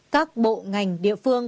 các bộ ngành địa phương